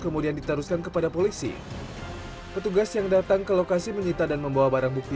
kemudian ditaruhkan kepada polisi petugas yang datang ke lokasi menyita dan membawa barang bukti